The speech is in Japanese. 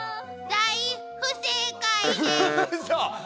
大不正解です。